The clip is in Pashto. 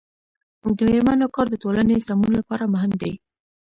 د میرمنو کار د ټولنې سمون لپاره مهم دی.